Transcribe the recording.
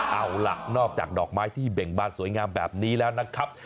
เอาล่ะนอกจากดอกไม้ที่เบ่งบานสวยงามแบบนี้แล้วนะครับ